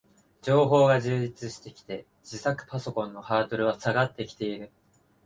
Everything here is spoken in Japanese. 情報が充実してきて、自作パソコンのハードルは下がってきている